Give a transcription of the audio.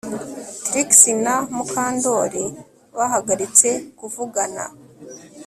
Trix na Mukandoli bahagaritse kuvugana